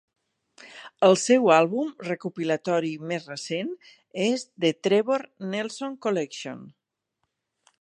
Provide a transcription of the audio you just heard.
El seu àlbum recopilatori més recent és "The Trevor Nelson Collection".